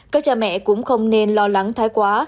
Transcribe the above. các cha mẹ cũng không nên lo lắng thái quá